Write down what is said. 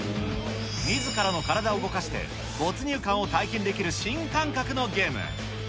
みずからの体を動かして、没入感を体験できる新感覚のゲーム。